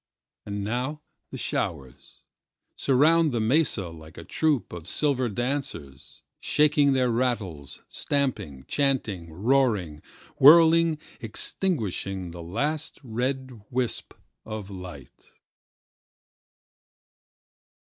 And now the showersSurround the mesa like a troop of silver dancers:Shaking their rattles, stamping, chanting, roaring, Whirling, extinguishing the last red wisp of light.